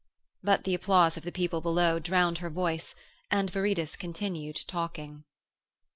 But the applause of the people below drowned her voice and Viridus continued talking.